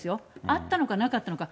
あったのかなかったのか。